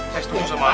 saya setuju sama anda